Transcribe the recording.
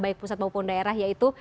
baik pusat maupun daerah yaitu